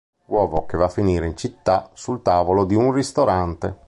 Uovo che va a finire in città, sul tavolo di un ristorante.